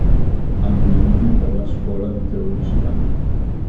Ambienti per la scuola di Teologia.